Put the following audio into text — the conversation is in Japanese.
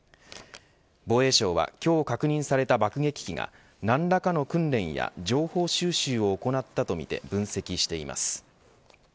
防衛省は今日確認された爆撃機が何らかの訓練や情報収集を行ったとみて分析しています。